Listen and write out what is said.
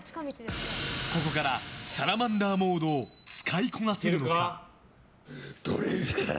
ここからサラマンダーモードを使いこなせるのか？